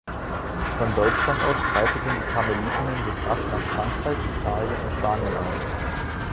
Von Deutschland aus breiteten die Karmelitinnen sich rasch nach Frankreich, Italien und Spanien aus.